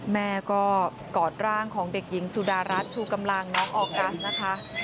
แม่ก็กอดร่างของเด็กหญิงสุดารัฐชูกำลังน้องออกัสนะคะ